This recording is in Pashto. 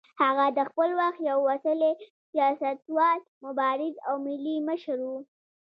هغه د خپل وخت یو وتلی سیاستوال، مبارز او ملي مشر و.